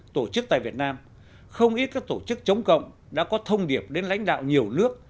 tổ chức tại việt nam không ít các tổ chức chống cộng đã có thông điệp đến lãnh đạo nhiều nước